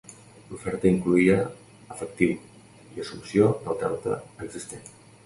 L'oferta incloïa efectiu i assumpció del deute existent.